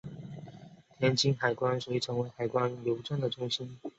天津海关遂成为海关邮政的中心。